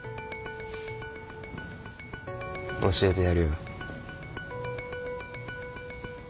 教えてやるよ。